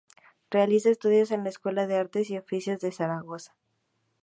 Realiza estudios en la Escuela de Artes y Oficios de Zaragoza.